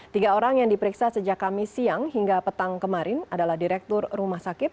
tiga orang yang diperiksa sejak kamis siang hingga petang kemarin adalah direktur rumah sakit